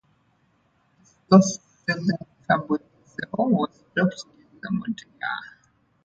The slow-selling turbodiesel was dropped during the model year.